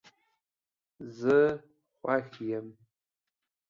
زه خوښ یم